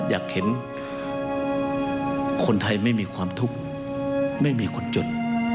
อยากเห็นคนไทยไม่มีความทุกข์ไม่มีคนจน